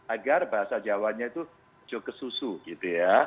agar bahasa jawanya itu joke susu gitu ya